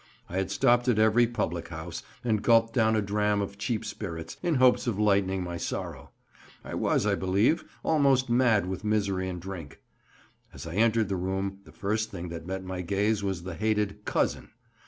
I had stopped at every public house, and gulped down a dram of cheap spirits, in hopes of lightening my sorrow; I was, I believe, almost mad with misery and drink. As I entered the room the first thing that met my gaze was the hated 'Cousin.